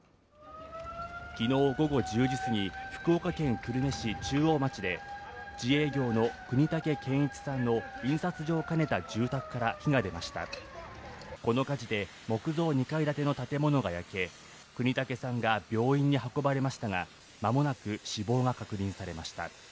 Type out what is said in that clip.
昨日午後１０時すぎ、福岡県久留米市中央町で自営業の國武健一さんの印刷所を兼ねた住宅から火が出ました、この火事で木造２階建ての建物が焼け國武さんが病院に運ばれましたが間もなく死亡が確認されました。